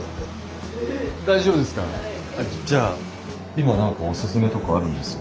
今何かおすすめとかあるんですか？